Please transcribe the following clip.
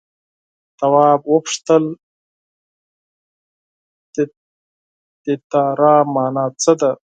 تواب وپوښتل تتارا مانا څه ده.